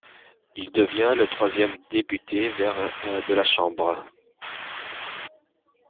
Il devient le troisième député vert de la Chambre.